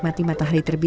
lalu lari lagi